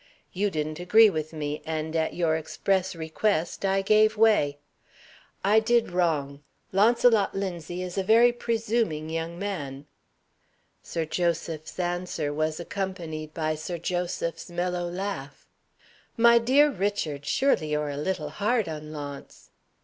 You didn't agree with me, and, at your express request, I gave way. I did wrong. Launcelot Linzie is a very presuming young man." Sir Joseph's answer was accompanied by Sir Joseph's mellow laugh. "My dear Richard! Surely you are a little hard on Launce?"